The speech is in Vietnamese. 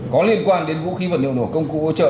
có liên quan đến vũ khí vật liệu đổ công cụ ưu trợ